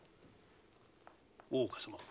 大岡様。